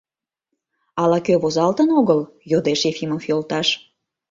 — Але кӧ возалтын огыл? — йодеш Ефимов йолташ.